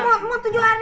menjuarin pula kan